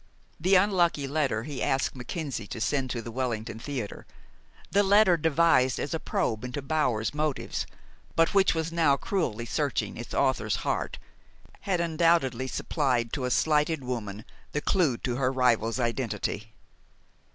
The unlucky letter he asked Mackenzie to send to the Wellington Theater the letter devised as a probe into Bower's motives, but which was now cruelly searching its author's heart had undoubtedly supplied to a slighted woman the clew to her rival's identity.